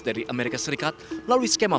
dari amerika serikat melalui skema